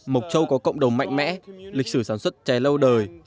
mộc châu có cộng đồng mạnh mẽ lịch sử sản xuất trẻ lâu đời